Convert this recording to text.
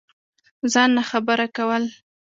ځان ناخبره كول